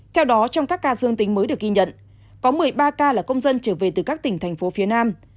theo đó trong các ca dương tính mới được ghi nhận có một mươi ba ca là công dân trở về từ các tỉnh thành phố phía nam